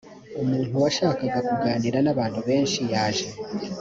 umuntu wabashaga kuganira n abantu benshi yaje